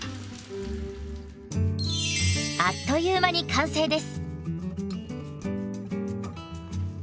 あっという間に完成です。